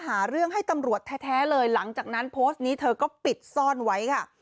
หาเรื่องให้ตำรวจแท้เลยหลังจากนั้นโพสต์นี้เธอก็ปิดซ่อนไว้ค่ะ